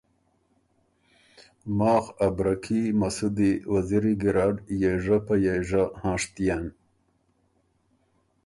ماخ ا برکي مسُودی وزیری ګېرډ یېژۀ په یېژه هنشتيېن۔